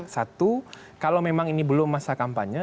satu kalau memang ini belum masa kampanye